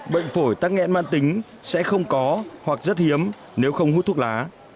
bệnh phổi tắc nghén man tính sẽ không có hoặc rất hiếm nếu không hút thuốc lá